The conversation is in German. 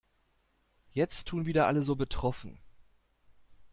Jetzt tun wieder alle so betroffen.